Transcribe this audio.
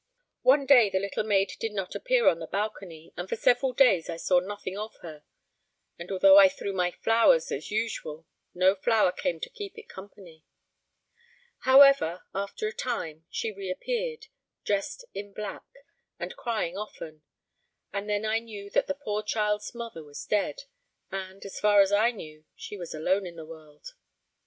One day the little maid did not appear on her balcony, and for several days I saw nothing of her; and although I threw my flowers as usual, no flower came to keep it company. However, after a time, she reappeared, dressed in black, and crying often, and then I knew that the poor child's mother was dead, and, as far as I knew, she was alone in the world.